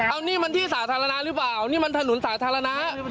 เอานี่มันที่สาธารณะหรือเปล่านี่มันถนนสาธารณะ